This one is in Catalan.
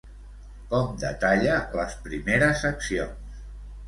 Com detalla les primeres accions?